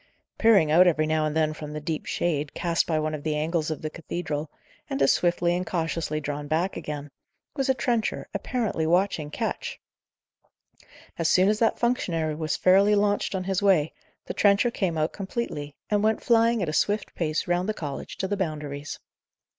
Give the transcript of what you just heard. Peering out every now and then from the deep shade, cast by one of the angles of the cathedral, and as swiftly and cautiously drawn back again, was a trencher apparently watching Ketch. As soon as that functionary was fairly launched on his way, the trencher came out completely, and went flying at a swift pace round the college to the Boundaries.